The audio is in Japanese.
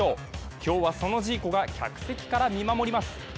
今日はそのジーコが客席から見守ります。